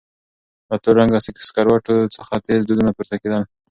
له تور رنګه سکروټو څخه تېز دودونه پورته کېدل.